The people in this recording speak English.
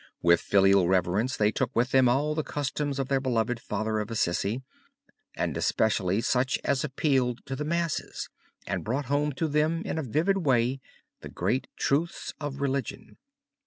With filial reverence they took with them all the customs of their loved Father of Assisi, and especially such as appealed to the masses and brought home to them in a vivid way the great truths of religion.